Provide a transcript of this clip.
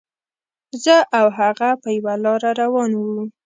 زه او هغه په یوه لاره روان وو.